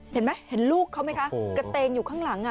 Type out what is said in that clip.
เห็นไหมเห็นลูกเขาไหมคะกระเตงอยู่ข้างหลัง